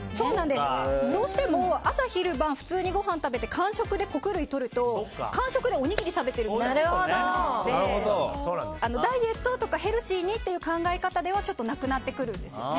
どうしても朝、昼、晩普通にごはん食べて穀類をとると間食でおにぎり食べているみたいでダイエットとかヘルシーにという考え方ではなくなってくるんです。